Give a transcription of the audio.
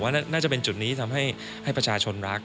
ผมว่าน่าจะเป็นจุดนี้ที่ทำให้ประชาชนรัก